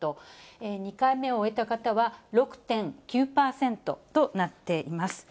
２回目を終えた方は６．９％となっています。